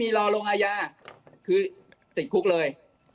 รอลงอาญาคือติดคุกเลย